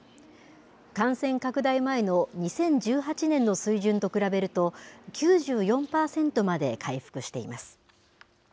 感染拡大前の２０１８年の水準と比べると、９４％まで回復しています。